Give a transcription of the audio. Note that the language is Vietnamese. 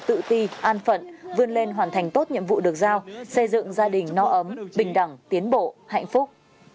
tự ti an phận vươn lên hoàn thành tốt nhiệm vụ được giao xây dựng gia đình no ấm bình đẳng tiến bộ hạnh phúc